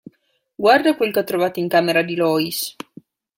Guarda quel che ho trovato in camera di Lois.